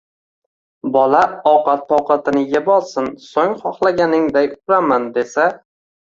bola ovqat-povqatini yeb olsin, so'ng xohlaganingday uraman, —desa: